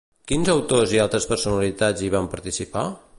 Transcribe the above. Quins autors i altres personalitats hi van participar?